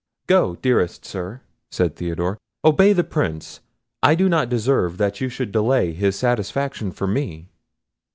"Go, dearest Sir," said Theodore; "obey the Prince. I do not deserve that you should delay his satisfaction for me."